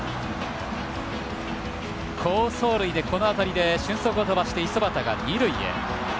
好走塁で、この当たりで俊足を飛ばして、五十幡が二塁へ。